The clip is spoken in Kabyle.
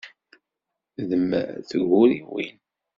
D mm tguriwin.